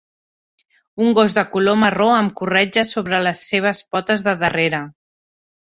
Un gos de color marró amb corretja sobre les seves potes del darrere.